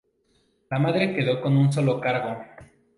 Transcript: La madre quedó con un solo cargo.